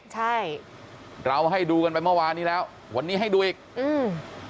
ใช่เราให้ดูกันไปเมื่อวานนี้แล้ววันนี้ให้ดูอีกอืม